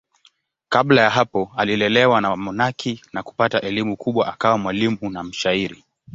Kabla ya hapo alilelewa na wamonaki na kupata elimu kubwa akawa mwalimu na mshairi.